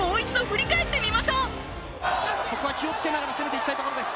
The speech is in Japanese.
ここは気をつけながら攻めていきたいところです。